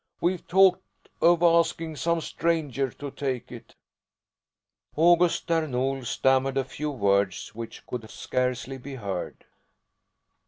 We've talked of asking some stranger to take it." August Där Nol stammered a few words, which could scarcely be heard.